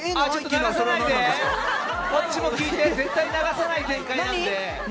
待って、こっちも聞いて、絶対に流せない展開なので。